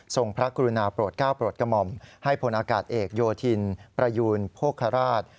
พระกรุณาโปรดก้าวโปรดกระหม่อมให้พลอากาศเอกโยธินประยูนโภคราช